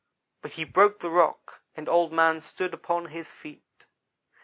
But he broke the rock, and Old man stood upon his feet.